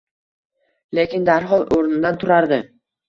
.Lekin darhol o‘rnidan turardi.